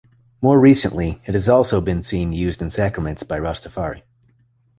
More recently, it has also seen use in sacraments by Rastafari.